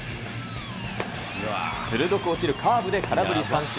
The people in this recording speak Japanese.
鋭く落ちるカーブで空振り三振。